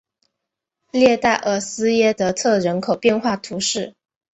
列代尔施耶德特人口变化图示